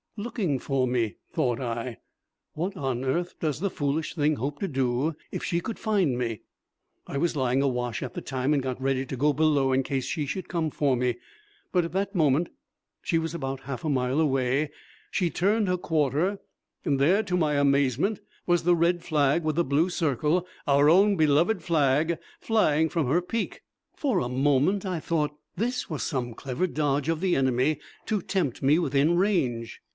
"Looking for me," thought I. "What on earth does the foolish thing hope to do if she could find me?" I was lying awash at the time and got ready to go below in case she should come for me. But at that moment she was about half a mile away she turned her quarter, and there to my amazement was the red flag with the blue circle, our own beloved flag, flying from her peak. For a moment I thought that this was some clever dodge of the enemy to tempt me within range.